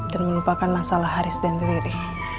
dan melupakan masalah haris dan riri